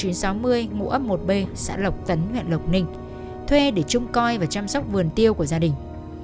ngụ ấp một b xã lộc tấn huyện lộc ninh thuê để trông coi và chăm sóc vườn tiêu của gia đình